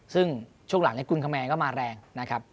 ซึ่งช่วงหลังกุลคแมนก็มาแรงนะครับ